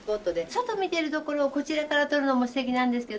外を見ているところをこちらから撮るのも素敵なんですけど。